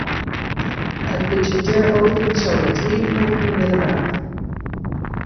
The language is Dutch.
Uit budgettair oogpunt zou ik drie opmerkingen willen maken.